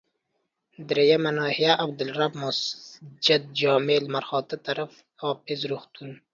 دریمه ناحيه، عبدالرب مسجدجامع لمرخاته طرف، حافظ روغتون.